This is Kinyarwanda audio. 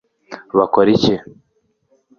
bakora iki